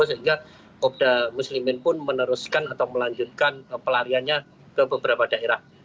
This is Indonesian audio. sehingga kopda muslimin pun meneruskan atau melanjutkan pelariannya ke beberapa daerah